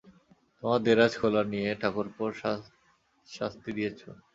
তোমার দেরাজ খোলা নিয়ে ঠাকুরপোদের শাস্তি দিয়েছ।